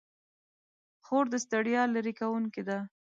خور د ستړیا لیرې کوونکې ده.